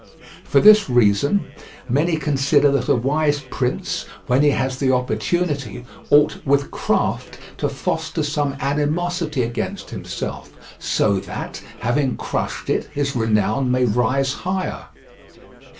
For this reason many consider that a wise prince, when he has the opportunity, ought with craft to foster some animosity against himself, so that, having crushed it, his renown may rise higher.